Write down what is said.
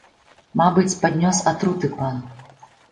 Мабыць, паднёс атруты пан.